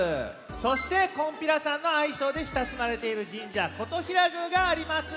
そして「こんぴらさん」のあいしょうでしたしまれているじんじゃ金刀比羅宮があります。